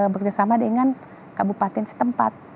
bekerjasama dengan kabupaten setempat